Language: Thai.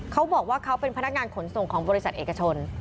เขาบอกว่าเขาเป็นพนักงานขนส่งของบริษัทเอกชน